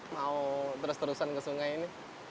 mau terus terusan ke sungai ini